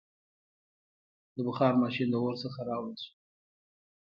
• د بخار ماشین د اور څخه راوړل شو.